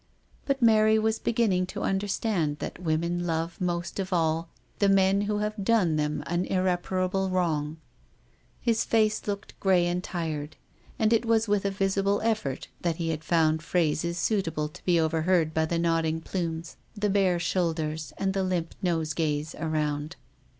But Mary was beginning to understand that women love most of all the men who have done them an irreparable wrong. His face looked grey and tired, and it was with a visible effort that he found phrases suitable to be overheard by the nodding plumes, the bare shoulders, and the limp nose gays around.